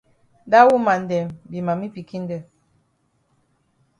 Dat woman dem be mami pikin dem.